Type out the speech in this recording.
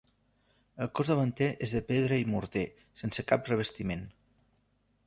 El cos davanter és de pedra i morter, sense cap revestiment.